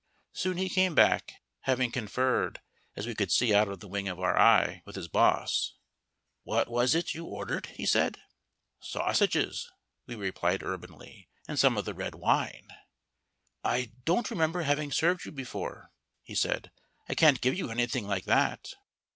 Soon he came back (having conferred, as we could see out of the wing of our eye) with his boss. "What was it you ordered?" he said. "Sausages," we replied, urbanely, "and some of the red wine." "I don't remember having served you before," he said. "I can't give you anything like that."